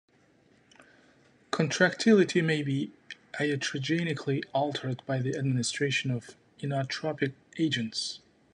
Contractility may be iatrogenically altered by the administration of "inotropic agents".